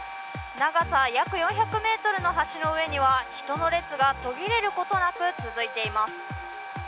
長さ約４００ｍの橋の上には、人の列が途切れることなく続いています。